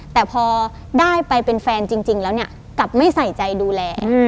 แต่พอได้ไปเป็นแฟนจริงแล้วเนี่ยกลับไม่ใส่ใจดูแล